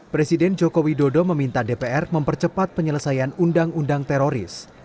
presiden joko widodo meminta dpr mempercepat penyelesaian undang undang teroris